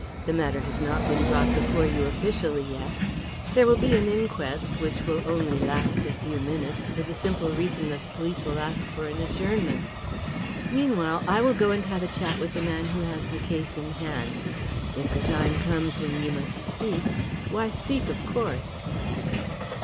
The matter has not been brought before you officially yet. There will be an inquest, which will only last a few minutes, for the simple reason that the police will ask for an adjournment. Meanwhile I will go and have a chat with the man who has the case in hand. If the time comes when you must speak, why speak, of course."